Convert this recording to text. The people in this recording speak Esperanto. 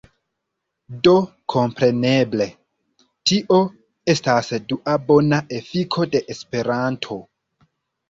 Do kompreneble, tio estas dua bona efiko de Esperanto.